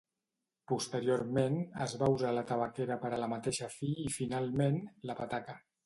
Posteriorment, es va usar la tabaquera per ala mateixa fi i finalment, la petaca.